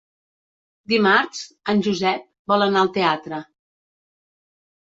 Dimarts en Josep vol anar al teatre.